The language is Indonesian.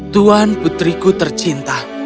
tuan putriku tercinta